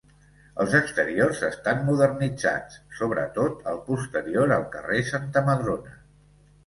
Els exteriors estan modernitzats, sobre tot el posterior al carrer Santa Madrona.